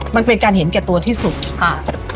มันเป็นการเห็นแก่ตัวที่สุดค่ะ